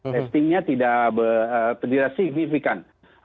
testingnya tidak signifikan